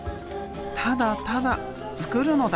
ただただ作るのだ！